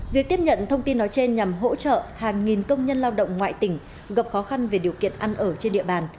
việc tiếp nhận thông tin nói trên nhằm hỗ trợ hàng nghìn công nhân lao động ngoại tỉnh gặp khó khăn về điều kiện ăn ở trên địa bàn